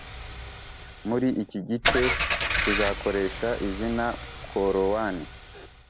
muri iki gice tuzakoresha izina korowani